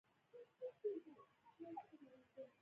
_ يوازې دروازې ته ګوره!